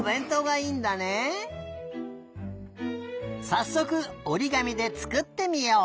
さっそくおりがみでつくってみよう！